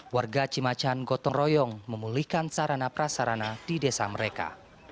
warga cimacan gotong royong memulihkan sarana prasarana di desa mereka